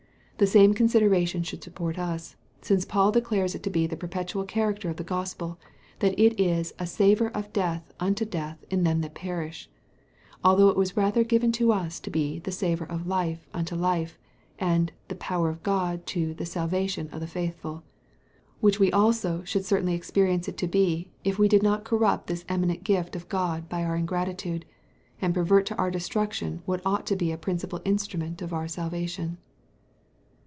The same consideration should support us, since Paul declares it to be the perpetual character of the Gospel, that it is a "savour of death unto death in them that perish," although it was rather given us to be the "savour of life unto life," and "the power of God to" the "salvation" of the faithful; which we also should certainly experience it to be, if we did not corrupt this eminent gift of God by our ingratitude, and prevert to our destruction what ought to be a principal instrument of our salvation.